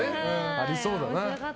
ありそうだな。